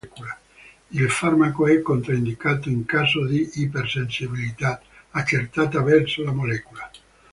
Il farmaco è controindicato in caso di ipersensibilità accertata verso la molecola.